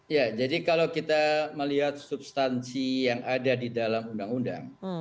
ya jadi kalau kita melihat substansi yang ada di dalam undang undang